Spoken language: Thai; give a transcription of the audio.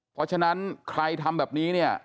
เพราะฉะนั้นใครทำแบบนี้เนี่ย